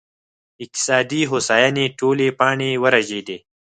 اقتصادي هوساینې ټولې پاڼې ورژېدې